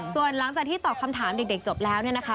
ส่วนหลังจากที่ตอบคำถามเด็กจบแล้วเนี่ยนะคะ